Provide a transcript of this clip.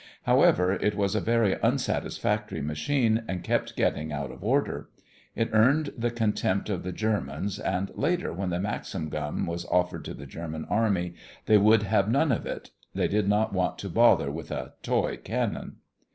However, it was a very unsatisfactory machine, and kept getting out of order. It earned the contempt of the Germans, and later when the Maxim gun was offered to the German Army they would have none of it. They did not want to bother with "a toy cannon."